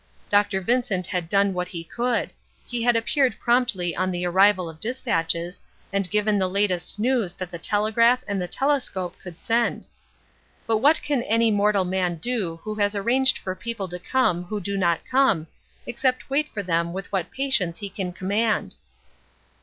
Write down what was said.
Dr. Vincent had done what he could; he had appeared promptly on the arrival of dispatches, and given the latest news that the telegraph and the telescope would send. But what can any mortal man do who has arranged for people to come who do not come, except wait for them with what patience he can command.